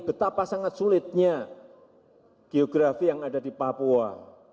betapa sangat sulitnya geografi yang ada di papua